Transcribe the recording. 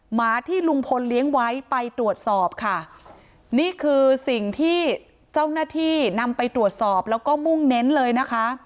หมาที่ลุงพลเลี้ยงไว้ไปตรวจสอบค่ะนี่คือสิ่งที่เจ้าหน้าที่นำไปตรวจสอบแล้วก็มุ่งเน้นเลยนะคะ